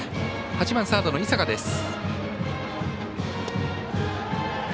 ８番サードの井坂です。